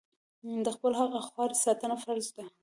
د خپل حق او خاورې ساتنه فرض ده.